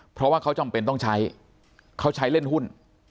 เพราะว่าเขาจำเป็นต้องใช้เขาใช้เล่นหุ้น